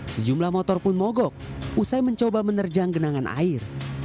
sejumlah motor pun mogok usai mencoba menerjang genangan air